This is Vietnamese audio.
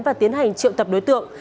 và tiến hành trượng tập đối tượng